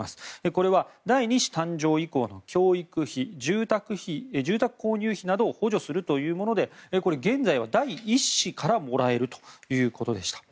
これは第２子誕生以降の教育費、住宅購入費などを補助するというもので現在は第１子からもらえるということでした。